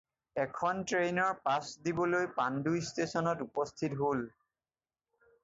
এখন ট্ৰেইনৰ পাছ দিবলৈ পাণ্ডু ষ্টেচনত উপস্থিত হ'ল।